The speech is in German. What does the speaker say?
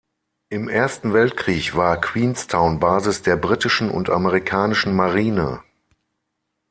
Im Ersten Weltkrieg war Queenstown Basis der britischen und amerikanischen Marine.